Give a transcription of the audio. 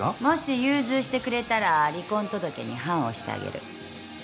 もし融通してくれたら離婚届に判押してあげる。